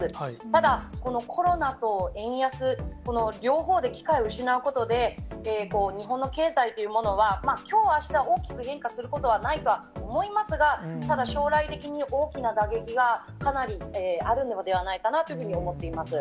ただ、コロナと円安、この両方で機会を失うことで、日本の経済というものは、今日あした、大きく変化することはないとは思いますが、ただ将来的に、大きな打撃がかなりあるのではないかなというふうに思っています。